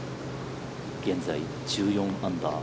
現在、１４アンダー。